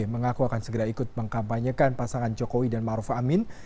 mengaku akan segera ikut mengkampanyekan pasangan jokowi dan maruf amin